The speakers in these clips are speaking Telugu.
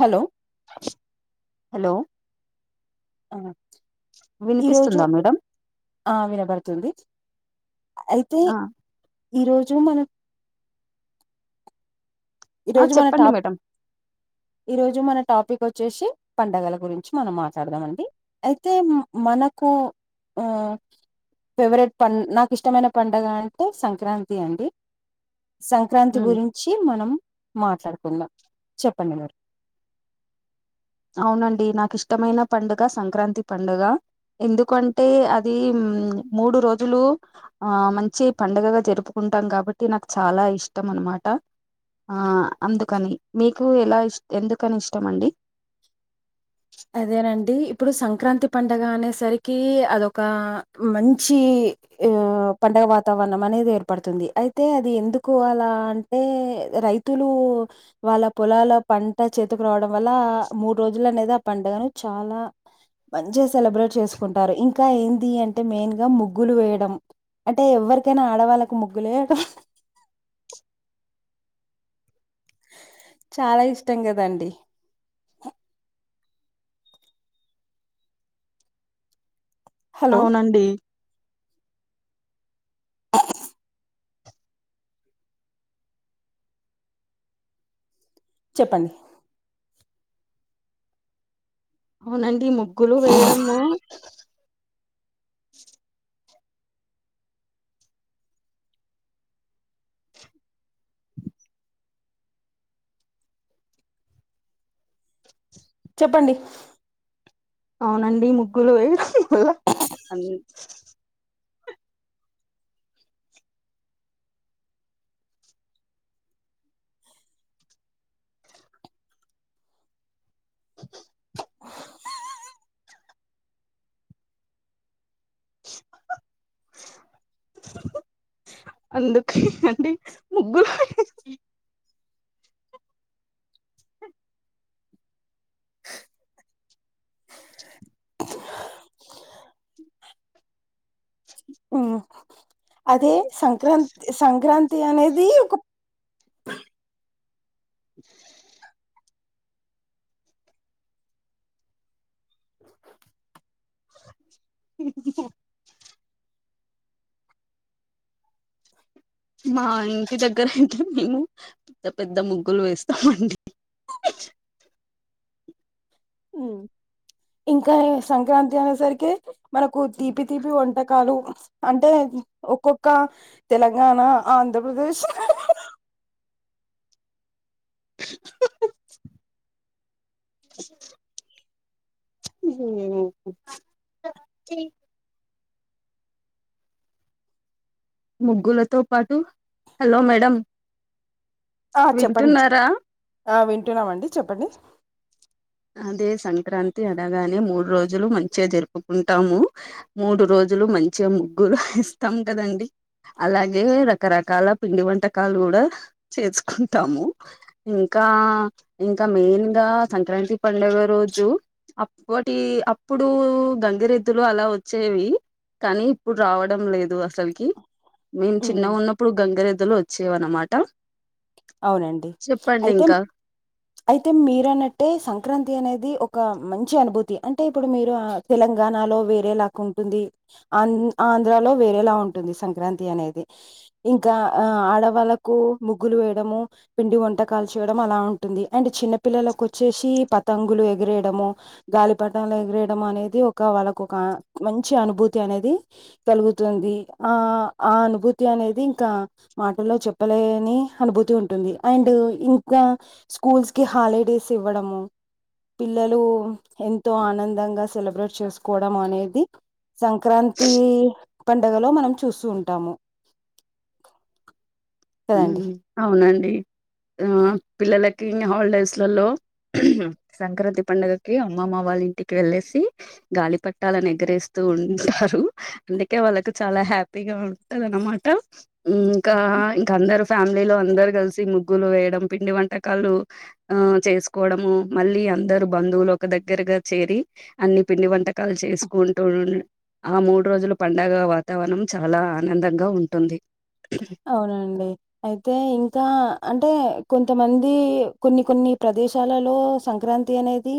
హలో హలో ఈరోజు వినిపిస్తుందా మేడం ఆ వినబడుతుంది అయితే ఆ ఈరోజు మనం ఈ ఆ రోజు మన చెప్పండి టాప్ మేడం ఈ రోజు మన టాపిక్ వచ్చేసి పండగల గురించి మనం మాట్లాడదాం అండి అయితే మనకు ఆ ఫేవరెట్ పండ నాకు ఇష్టమైన పండగ అంటే సంక్రాంతి అండి సంక్రాంతి ఉమ్ గురించి మనం మాట్లాడుకుందాం చెప్పండి మరి అవునండి నాకు ఇష్టమైన పండుగ సంక్రాంతి పండుగ ఎందుకంటే అది మూడు రోజులు ఆ మంచి పండుగగా జరుపుకుంటాం కాబట్టి నాకు చాలా ఇష్టం అనమాట ఆ అందుకని మీకు ఎలా ఇష్ట ఎందుకని ఇష్టం అండి అదేనండి ఇప్పుడు సంక్రాంతి పండగ అనేసరికి అదొక మంచి ఆ పండగ వాతావరణం అనేది ఏర్పడుతుంది అయితే అది ఎందుకు అలా అంటే అంటే రైతులు వాళ్ల పొలాల పంట చేతకు రావడం వల్ల మూడు రోజులు అనేది ఆ పండగను చాలా మంచిగా సెలబ్రేట్ చేసుకుంటారు ఇంకా ఏంది అంటే మెయిన్ గా ముగ్గులు వేయడం అంటే ఎవ్వరికైనా ఆడవాళ్ళకు ముగ్గులు వేయడం చాలా ఇష్టం కదండి హలో! అవునండి ఆ చెప్పండి అవునండి ముగ్గులు వేయడము చెప్పండి అవునండి ముగ్గులు వేయడం వల్ల అందుకే అండి ముగ్గులు వేయడం ఆ అది సంక్రాంతి సంక్రాంతి అనేది ఒక హమ్ ఉమ్మ్ ‌హ మా ఇంటి దగ్గర అయితే మేము పెద్ద పెద్ద ముగ్గులు వేస్తామండి ఉమ్. హమ్ ఇంకా సంక్రాంతి అనే సరికి మనకు తీపి తీపి వంటకాలు అంటే ఒక్కొక్క తెలంగాణ ఆంధ్రప్రదేశ్ హ జ ముగ్గులతో పాటు హలో మేడం ఆ చెప్పండి వింటున్నారా ఆ వింటున్నామండి చెప్పండి అదే సంక్రాంతి అనగానే మూడు రోజులు మంచిగా జరుపుకుంటాము మూడు రోజులు మంచిగా ముగ్గురు ఏస్తాం కదండి అలాగే రకరకాల పిండి వంటకాలు కూడా చేసుకుంటాము ఇంకా ఇంకా మెయిన్గా సంక్రాంతి పండుగ రోజు అప్పటి అప్పుడు గంగిరెద్దులు అలా వచ్చేవి కానీ ఇప్పుడు రావడం లేదు అసల్కి మేము ఉమ్. చిన్నగా ఉన్నప్పుడు గంగరెద్దులు వచ్చేవి అన్నమాట అవునండి అయితే అయితే మీరు అన్నట్టే సంక్రాంతి అనేది ఒక మంచి అనుభూతి అంటే ఇప్పుడు మీరు తెలంగాణలో వేరే లాకు ఉంటుంది ఆం ఆంధ్రాలోవేరేలా ఉంటుంది సంక్రాంతి అనేది ఇంకా ఆ ఆడవాళ్లకు ముగ్గులు వేయడము పిండి వంటకాలు చేయడం అలా ఉంటుంది అండ్ చిన్నపిల్లలలకు వచ్చేసి పతంగులు ఎగిరేయడము గాలిపటం ఎగిరేయడం అనేది ఒక వాళ్ళకు ఒక మంచి అనుభూతి అనేది కలుగుతుంది ఆ ఆ అనుభూతి అనేది ఇంకా మాటల్లో చెప్పలేని అనుభూతి ఉంటుంది అండ్ ఇంకా స్కూల్స్ కి హాలిడేస్ ఇవ్వడము పిల్లలు ఎంతో ఆనందంగా సెలబ్రేట్ చేసుకోవడం అనేది సంక్రాంతి పండుగలో మనం చూస్తు ఉంటాము కదండి అవునండి ఆ పిల్లలకి హాలిడేస్లలో సంక్రాంతి పండుగకి అమ్మమ్మ వాళ్ళ ఇంటికి వెళ్ళేసి గాలి పట్టాలని ఎగరేస్తూ ఉంటారు అందుకే వాళ్ళకు చాలా హ్యాపీగా ఉంటంది అన్నమాట ఇంకా అందరు ఫ్యామిలీలో అందరు కలిసి ముగ్గులు వేయడం పిండి వంటకాలు ఆ చేసుకోవడము మళ్ళీ అందరు బంధువులు ఒక దగ్గరగా చేరి అన్ని పిండి వంటకాలు చేసుకుంటూ ఆ మూడు రోజులు పంండగ వాతావరణం చాలా ఆనందంగా ఉంటుంది అవునండి అయితే ఇంకా అంటే కొంతమంది కొన్ని కొన్ని ప్రదేశాలలో సంక్రాంతి అనేది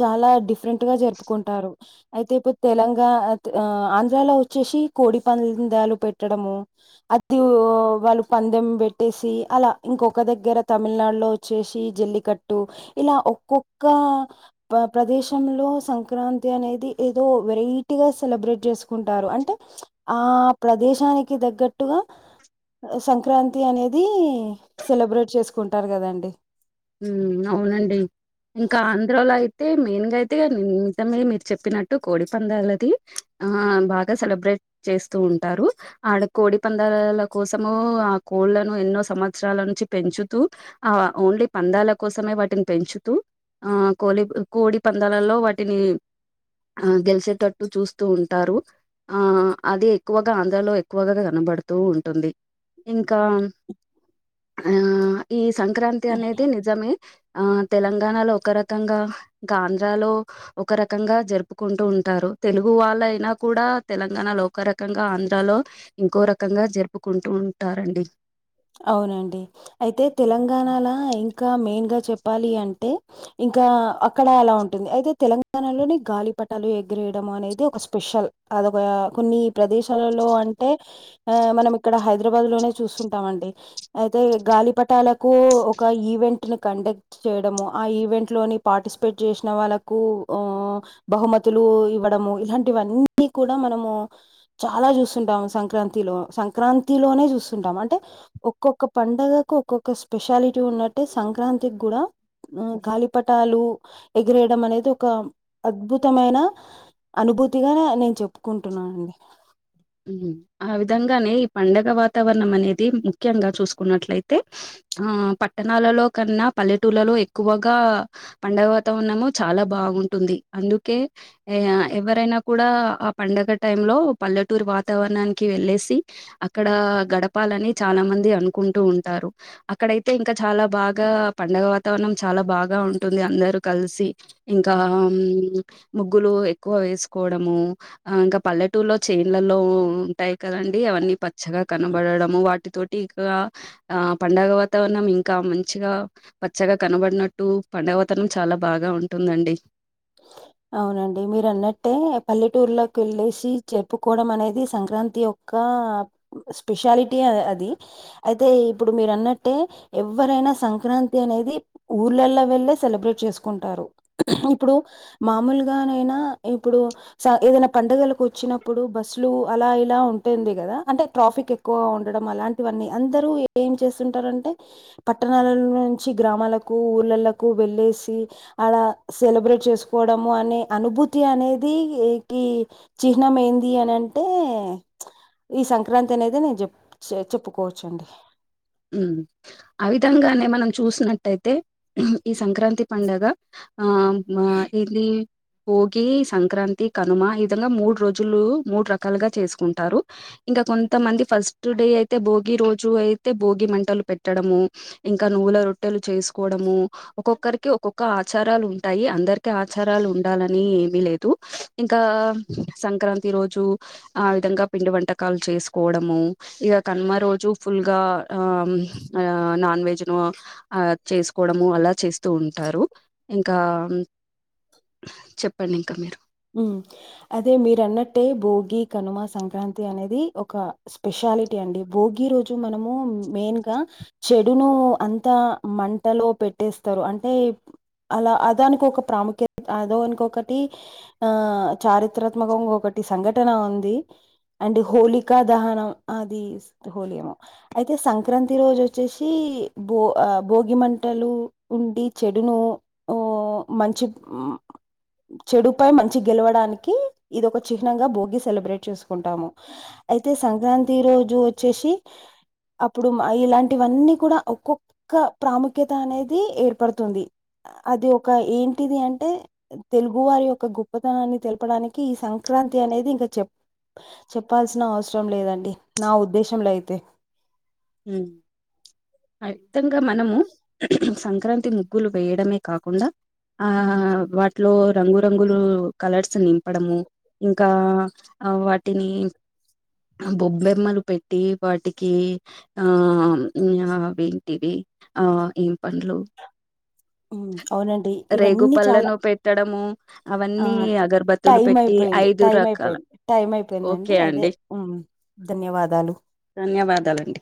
చాలా డిఫరెంట్గా జరుపుకుంటారు అయితే ఇప్పు తెలంగాణ ఆ ఆంధ్రాలో వచ్చేసి కోడి పందాలు పెట్టడము అది వాళ్ళు పందెం పెట్టేసి అలా ఇంకొక దగ్గర తమిళనాడులో చేసి జల్లికట్టు ఇలా ఒక్కొక్క ప్రదేశంలో సంక్రాంతి అనేది ఏదో వెరైటీగా సెలబ్రేట్ చేసుకుంటారు అంటే ఆ ప్రదేశానికి తగ్గట్టుగా సంక్రాంతి అనేది సెలబ్రేట్ చేసుకుంటారు కదండి ఉ అవునండి ఇంకా ఆంధ్రాలో అయితే మెయిన్ గా అయితే నిమిజమే మీరు చెప్పినట్టు కోడి పందాలది ఆ బాగా సెలబ్రేట్ చేస్తూ ఉంటారు ఆడ కోడి పందాలాల కోసము ఆ కోళ్లను ఎన్నో సంవత్సరాల నుంచి పెంచుతూ అ ఓన్లీ పందాల కోసమే వాటిని పెంచుతూ ఆ కోలి కోడి పందాలలో వాటిని ఆ గెలిసేటట్టు చూస్తూ ఉంటారు. ఆ అది ఎక్కువగా ఆంధ్రాలో ఎక్కువగా కనబడుతూ ఉంటుంది. ఇంకా ఆ ఈ సంక్రాంతి అనే నిజమే ఆ తెలంగాణలో ఒక రకంగా ఆంధ్రాలో ఒక రకంగా జరుపుకుంటూ ఉంటారు తెలుగు వాళ్ళ అయినా కూడా తెలంగాణలో ఒక రకంగా ఆంధ్రాలో ఇంకో రకంగా జరుపుకుంటూ ఉంటారండి. అవునండి అయితే తెలంగాణలో ఇంకా మెయిన్గా చెప్పాలి అంటే? ఇంకా అక్కడ అలా ఉంటుంది అయితే తెలంగాణలోని గాలిపటాలు ఎగిరేయడం అనేది ఒక స్పెషల్. అదొక కొన్ని ప్రదేశాలలో అంటే ఆ మనం ఇక్కడ హైదరాబాద్ లోనే చూసు టామండి అయితే గాలిపటాలకు ఒక ఈవెంట్ ని కండక్ట్ చేయడము ఆ ఈవెంట్ లోని పార్టిసిపేట్ చేసిన వాళ్ళకు ఓ బహుమతులు ఇవ్వడము ఇలాంటివన్నీ కూడా మనము చాలా చూస్తుంటాము సంక్రాంతిలో సంక్రాంతి లోనే చూస్తుంటాం అంటే ఒక్కొక్క పండగకు ఒక్కొక్క స్పెషాలిటీ ఉన్నట్టే సంక్రాంతికి కూడా కళీపటాలు ఎగిరేయడం అనేది ఒక అద్భుతమైన అనుభూతిగా నేను చెప్పుకుంటున్నానండి. ఆ విధంగానే ఈ పండగ వాతావరణం అనేది ముఖ్యంగా చూసుకున్నట్లయితే ఆ పట్టణాలలో కన్నా పల్లెటూళ్లలో ఎక్కువగా పండుగ వాతావరణం చాలా బాగుంటుంది అందుకే ఏ ఆ ఎవరైనా కూడా ఆ పండగ టైమ్ లో పల్లెటూరు వాతావరణానికి వెళ్ళేసి అక్కడ గడపాలని చాలా మంది అనుకుంటూ ఉంటారు. అక్కడయితే ఇంకా చాలా బాగా పండగ వాతావరణం చాలా బాగా ఉంటుంది అందరు కలిసి ఇంకా ముగ్గులు ఎక్కువ వేసుకోవడము ఆ ఇంకా పల్లెటూర్లో చెన్లలో ఉంటాయి కదండి అవన్నీ పచ్చగా కనబడడము వాటితోటి ఇక ఆ పండగ వాతావరణం ఇంకా మంచిగా పచ్చగా కనబడినట్టు పండుగా వాతావరణం చాలా బాగా ఉంటుందండి. అవునండి మీరు అన్నట్టే పల్లెటూరులో కెళ్ళేసి జప్పుకోవడం అనేది సంక్రాంతి ఓ కా స్పెషాలిటీ అ అది అయితే ఇప్పుడు మీరు అన్నట్టే ఎవరైనా సంక్రాంతి అనేది ఊర్లలా వెళ్ళే సెలబ్రేట్ చేసుకుంటారు ఇప్పుడు మామూలుగానైనా ఇప్పుడు స ఏదైనా పండుగలకు వచ్చినప్పుడు బస్సులు అలా ఇలా ఉంటుంది కదా అంటే ట్రాఫిక్ ఎ క్కువ ఉండడం అలాంటివన్నీ అందరూ ఏం చేస్తుంటారంటే? పట్టణాల నుంచి గ్రామాలకు, ఊర్లలకు వెళ్ళేసి అలా సెలబ్రేట్ చేసుకోవడము అనే అనుభూతి అనేది కి చిహ్నం ఏంది అనంటే ఈ సంక్రాంతి అనేది నేను చె చెప్పుకోవచ్చ అండి మ్ ఆ విధంగానే మనం చూసినట్టయితే ఈ సంక్రాంతి పండుగ ఆ మా ఇలి భోగి, సంక్రాంతి, కనుమ ఈ విధంగా మూడు రోజులు మూడు రకాలుగా చేసుకుంటారు. ఇంకా కొంతమంది ఫస్ట్ డే అయితే భోగి రోజు అయితే భోగి మంటలు పెట్టడము. ఇంకా నువ్ల రొట్టెలు చేసుకోవడము. ఒక్కొక్కరికి ఒక్కొక్క ఆచారాలు ఉంటాయి అందరికి ఆచారాలు ఉండాలని ఏమి లేదు. ఇంకా సంక్రాంతి రోజు ఆ విధంగా పిండి వంటకాలు చేసుకోవడము ఇక కన్మ రోజు ఫుల్ గా అ మ్ నా నాన్ వెజ్నో ఆ చేసుకోవడము అలా చేస్తూ ఉంటారు ఇంకా చెప్ప అండి ఇంకా మీరు ఉ అదే మీరు అన్నట్టే భోగి కనుమ సంక్రాంతి అనేది ఒక స్పెషాలిటీ అండి భోగి రోజు మనము మెయిన్గా చెడును అంతా మంటలో పెట్టేస్తారు అంటే అలా అదానికి ఒక ప్రాముఖ్యత అదోనికొ ఒకటి ఆ చారిత్రాత్మకంగా ఒకటి సంఘటన ఉంది అండ్ హోలిక దహనం అది హోలిమ అయితే సంక్రాంతి రోజు వచ్చేసి బో అ భోగి మంటలు ఉండి చెడును [inaudible] ఓ మంచి చెడు పై మంచి గెలవడానికి ఇది ఒక చిహ్నంగా భోగి సెలబ్రేట్ చేసుకుంటాము అయితే సంక్రాంతి రోజు అచ్చేసి అప్పుడు మా ఇలాంటివ అన్నీ కూడా ఒక్కొక్ క్క ప్రాముఖ్యత అనేది ఏర్పడుతుంది అది ఒక ఏంటిది అంటే తెలుగు వాళ్లు ఒక గొప్పతనాన్ని తెలపడానికి ఈ సంక్రాంతి అనేది ఇంక చెప్ చెప్పాల్సిన అవసరం లేద అండి నా ఉద్దేశంలో అయితే మ్ ఆ యత్తంగా మనము సంక్రాంతి ముగ్గులు వేయడమే కాకుండా ఆ వాటిలో రంగురంగులు కలర్స్ నింపడము ఇంకా ఆ వాటిని బొబ్బెమ్మలు పెట్టి వాటికి ఆ మ్ అవెన్టికి ఆ ఏం పన్లు ఉమ్, అవునండి ఇవన్నీ చాలా రేగుపళ్ళలను పెట్టడము అవ ఆ అన్నీ అగర్బతి టైం అయిపోయింది టైం అయిపోయింది టైం అయిపోయింద ఓకే అండి అదే ధన్యవాదాలు ధన్యవాదాలు అండి